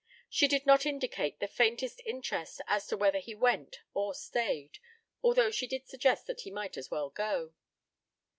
She did not indicate the faintest interest as to whether he went or stayed, although she did suggest that he might as well go.